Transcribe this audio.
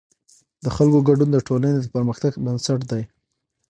د خلکو ګډون د ټولنې د پرمختګ بنسټ دی